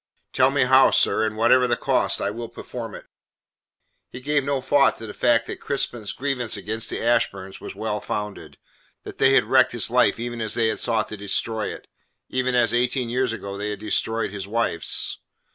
"Tell me how, sir, and whatever the cost I will perform it!" He gave no thought to the fact that Crispin's grievance against the Ashburns was well founded; that they had wrecked his life even as they had sought to destroy it; even as eighteen years ago they had destroyed his wife's.